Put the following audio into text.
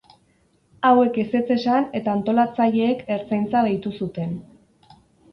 Hauek ezetz esan eta antolatzaileek Ertzaintza deitu zuten.